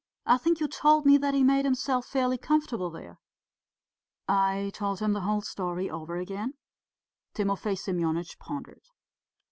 I think you told me that he made himself fairly comfortable there?" I told him the whole story over again. Timofey Semyonitch pondered.